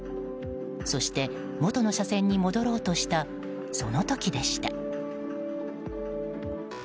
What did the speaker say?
そして元の車線に戻ろうとしたその時でした。